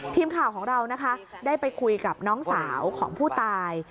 ทีมข่าวของเรานะคะได้ไปคุยกับน้องสาวของผู้ตาย